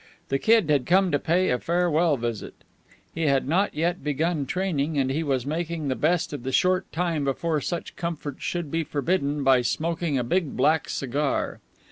The Kid had come to pay a farewell visit. He had not yet begun training, and he was making the best of the short time before such comforts should be forbidden by smoking a big black cigar.